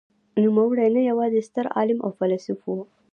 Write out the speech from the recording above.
نوموړی نه یوازې ستر عالم او فیلسوف و.